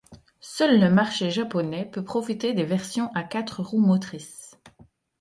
Seul le marché japonais peut profiter des versions à quatre roues motrices.